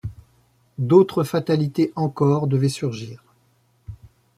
D’autres fatalités encore devaient surgir.